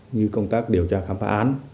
như công tác điều tra khám phá án